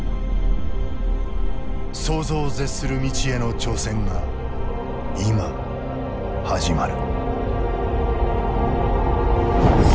想像を絶する未知への挑戦が今始まる。